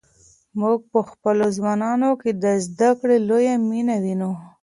موږ په خپلو ځوانانو کې د زده کړې لویه مینه وینو.